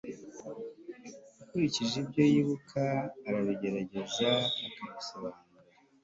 Ukurikije ibyo yibuka arabigerageza akabisobanura